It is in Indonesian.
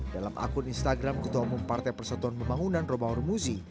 dalam akun instagram ketua umum partai persatuan pembangunan robahormuzi